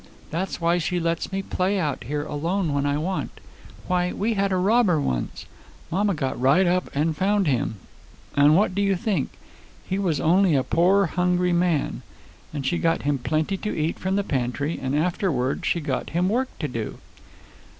That's why she lets me play out here alone when I want. Why, we had a robber once. Mamma got right up and found him. And what do you think! He was only a poor hungry man. And she got him plenty to eat from the pantry, and afterward she got him work to do."